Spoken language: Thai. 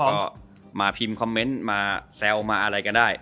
ก็มาพิมพ์คอมเมนต์มาแซวมาอะไรก็ได้